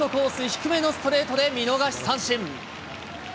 低めのストレートで見逃し三振。